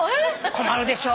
困るでしょう？